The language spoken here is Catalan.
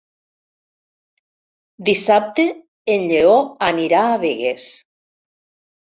Dissabte en Lleó anirà a Begues.